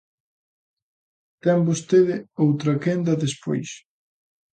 Ten vostede outra quenda despois.